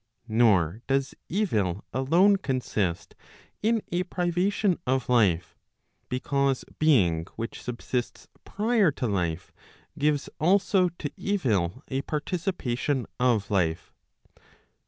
Nor does evil alone consist in a privation of life, because being which subsists prior to life, gives also to evil a participation of life.